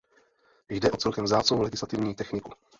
Jde o celkem vzácnou legislativní techniku.